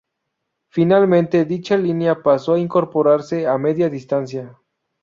Finalmente, dicha línea pasó a incorporarse a Media Distancia.